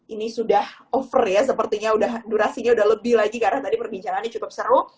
ini sudah over ya sepertinya durasinya sudah lebih lagi karena tadi perbincangannya cukup seru